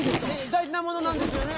大じなものなんですよね？